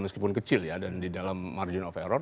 meskipun kecil ya dan di dalam margin of error